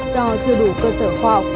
do chưa đủ cơ sở khoa học